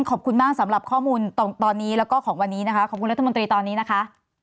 ขอบคุณมากสำหรับข้อมูลตอนนี้แล้วก็ของวันนี้นะคะขอบคุณรัฐมนตรีตอนนี้นะคะ